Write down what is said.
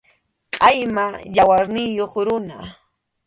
Qʼayma yawarniyuq runa.